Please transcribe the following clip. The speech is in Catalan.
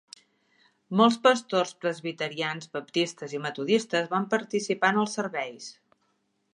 Molts pastors presbiterians, baptistes i metodistes van participar en els serveis.